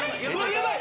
ヤバい！